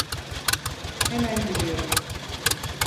Hemen geliyorum.